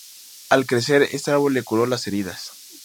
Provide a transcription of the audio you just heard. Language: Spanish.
Al crecer, este árbol le curó las heridas.